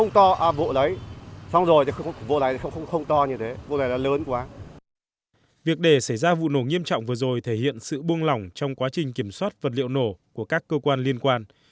thể ra vụ nổ nghiêm trọng vừa rồi thể hiện sự buông lỏng trong quá trình kiểm soát vật liệu nổ của các cơ quan liên quan